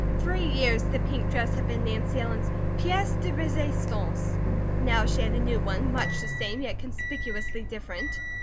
Three years the pink dress had been Nancy Ellen's PIECE DE RESISTANCE; now she had a new one, much the same, yet conspicuously different.